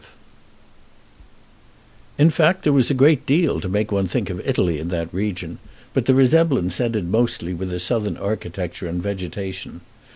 V In fact, there was a great deal to make one think of Italy in that region; but the resemblance ended mostly with the Southern architecture and vegetation.